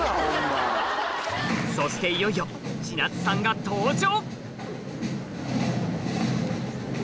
そしていよいよ千夏さんが登場